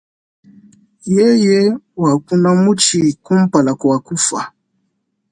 Yeye wakuna mutshi kumpala kua kufua.